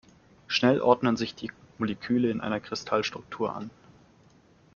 Schnell ordnen sich die Moleküle in einer Kristallstruktur an.